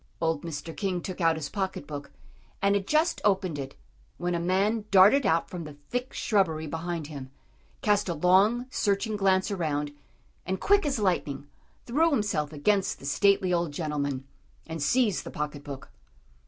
Old Mr. King took out his pocket book, and had just opened it, when a man darted out from the thick shrubbery behind him, cast a long, searching glance around, and quick as lightning, threw himself against the stately old gentleman, and seized the pocket book.